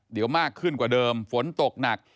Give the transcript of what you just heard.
เดี๋ยวมากขึ้นกว่าเดิมฝนตกหนัก